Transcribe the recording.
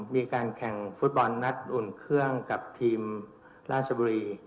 มีการแข่งฟุตบอลนัดอุ่นเครื่องกับทีมราชบุรี